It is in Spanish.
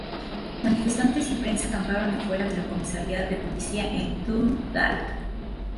Manifestantes y prensa acamparon afuera de la comisaría de policía en Dundalk.